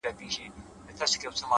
اوس مي هم ښه په ياد دي زوړ نه يمه!